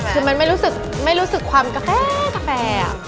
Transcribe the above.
คือมันไม่รู้สึกไม่รู้สึกความกาแฟกาแฟ